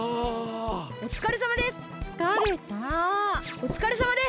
おつかれさまです！